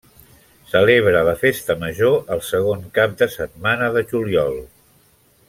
Celebra la festa Major el segon cap de setmana de juliol.